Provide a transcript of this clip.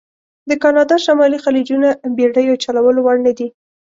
د کانادا شمالي خلیجونه بېړیو چلولو وړ نه دي.